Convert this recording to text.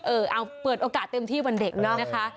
เออเอาเปิดโอกาสเต็มที่วันเด็กเนอะนะคะ